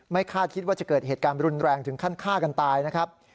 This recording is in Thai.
คาดคิดว่าจะเกิดเหตุการณ์รุนแรงถึงขั้นฆ่ากันตายนะครับ